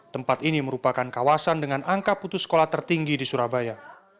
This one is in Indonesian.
tempat ini merupakan kawasan dengan angka putus sekolah tertinggi di surabaya